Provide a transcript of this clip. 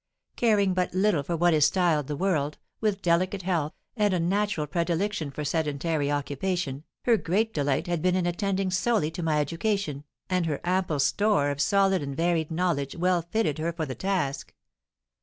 Caring but little for what is styled the world, with delicate health, and a natural predilection for sedentary occupation, her great delight had been in attending solely to my education, and her ample store of solid and varied knowledge well fitted her for the task.